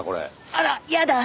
あら嫌だ。